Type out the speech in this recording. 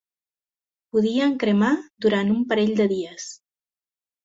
Podien cremar durant un parell de dies.